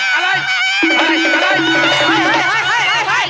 เฮ้ยอะไร